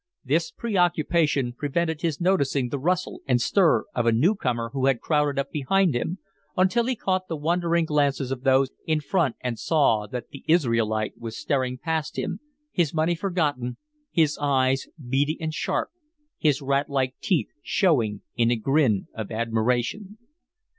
This preoccupation prevented his noticing the rustle and stir of a new comer who had crowded up behind him, until he caught the wondering glances of those in front and saw that the Israelite was staring past him, his money forgotten, his eyes beady and sharp, his rat like teeth showing in a grin of admiration.